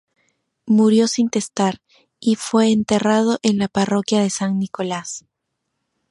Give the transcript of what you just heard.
Murió sin testar y fue enterrado en la parroquia de San Nicolás.